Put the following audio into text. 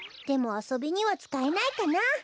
でもあそびにはつかえないかな。